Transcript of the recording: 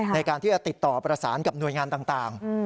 ในการที่จะติดต่อประสานกับหน่วยงานต่าง